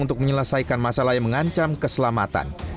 untuk menyelesaikan masalah yang mengancam keselamatan